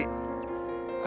aku harus rajin latihan